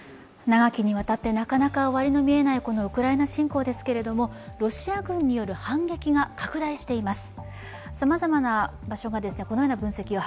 長きにわたってなかなか終わりの見えないウクライナ侵攻ですが、ロシア軍による反撃が拡大しています。